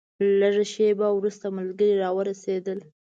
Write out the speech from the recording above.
لږه شېبه وروسته ملګري راورسېدل.